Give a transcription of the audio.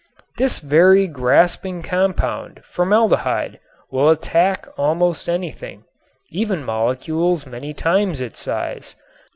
This very grasping compound, formaldehyde, will attack almost anything, even molecules many times its size.